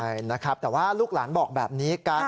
ใช่นะครับแต่ว่าลูกหลานบอกแบบนี้กัน